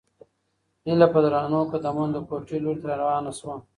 هیله په درنو قدمونو د کوټې لوري ته روانه شوه.